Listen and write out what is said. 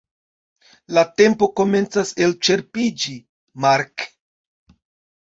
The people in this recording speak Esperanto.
La tempo komencas elĉerpiĝi, Mark!